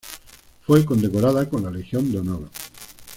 Fue condecorada con la Legión de Honor.